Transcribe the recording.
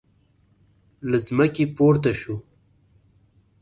له ځمکې پورته شو.